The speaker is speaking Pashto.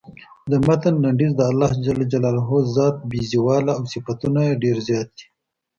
د متن لنډیز د الله ذات بې زواله او صفتونه یې ډېر زیات دي.